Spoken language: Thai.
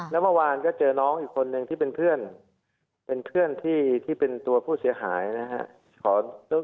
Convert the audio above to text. แล้วเมื่อวานก็เจอน้องอีกคนนึงที่เป็นเพื่อนเป็นเพื่อนที่เป็นตัวผู้เสียหายนะครับ